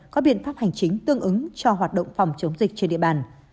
có biện pháp hành chính tương ứng cho hoạt động phòng chống dịch trên địa bàn